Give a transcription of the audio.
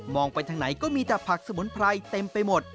ไปทางไหนก็มีแต่ผักสมุนไพรเต็มไปหมด